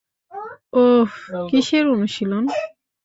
ওহ, কিসের অনুশীলন?